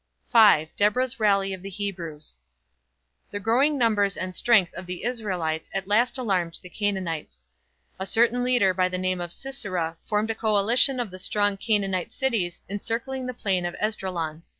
V. DEBORAH'S RALLY OF THE HEBREWS. The growing numbers and strength of the Israelites at last alarmed the Canaanites. A certain leader by the name of Sisera formed a coalition of the strong Canaanite cities encircling the Plain of Esdraelon.